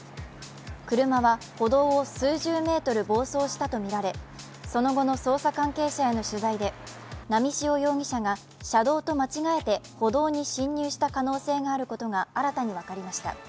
車は歩道を数十メートル暴走したとみられ、その後の捜査関係者への取材で、波汐容疑者が車道と間違えて歩道に侵入した可能性があることが新たに分かりました。